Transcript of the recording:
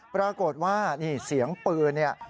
ปรากฏว่านี่เสียงปืนเนี่ย